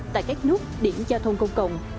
tại các nút điểm giao thông công cộng